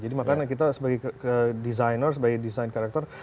jadi makanya kita sebagai designer sebagai desain karakter